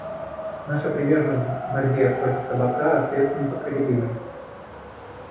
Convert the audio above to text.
Наша приверженность борьбе против табака остается непоколебимой.